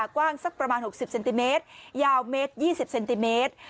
กว้างสักประมาณหกสิบเซนติเมตรยาวเมตรยี่สิบเซนติเมตร